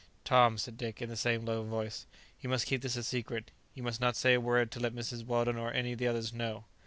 "Tom," said Dick, in the same low voice, "you must keep this a secret; you must not say a word to let Mrs. Weldon or any of the others know."